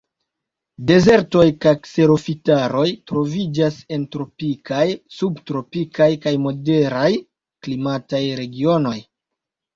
Dezertoj kaj kserofitaroj troviĝas en tropikaj, subtropikaj, kaj moderaj klimataj regionoj.